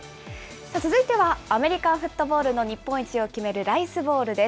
続いてはアメリカンフットボールの日本一を決めるライスボウルです。